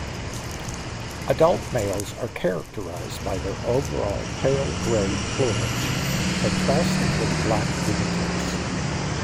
Adult males are characterized by their overall pale grey plumage contrasting with black wingtips.